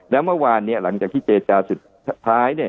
แล้วเมื่อวานหลังจากที่เจจาสุดท้าย